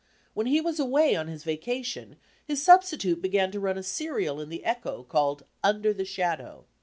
When he was away on his vacation his substitute began to nin a serial in the Echo called "Under the Shadow."